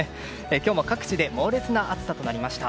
今日も各地で猛烈な暑さとなりました。